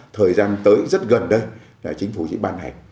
thời gian tới rất gần đây chính phủ chỉ bàn hẹp